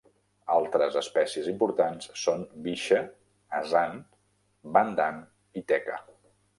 Altres espècies importants són bixa, asan, bandhan i teca.